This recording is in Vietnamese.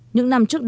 những năm trước đó